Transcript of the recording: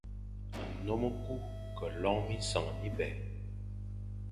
Nnôm e ku ke lon minseñ mibè.